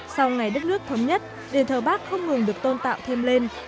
sau ngày đất nước thống nhất đền thờ bắc không ngừng được tôn tạo thêm lên